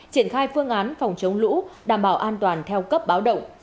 triển khai phương án phòng chống lũ đảm bảo an toàn theo cấp báo động